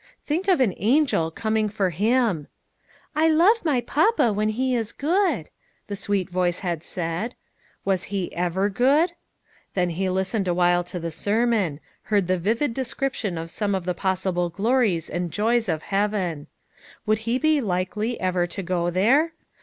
Think of an angel coming for him! "I love my papa when he is good!" the sweet voice had said. Was he ever good? Then he listened awhile to the sermon ; heard the vivid description of some of the possible glories and joys of Heaven. Would he be likely ever to go there?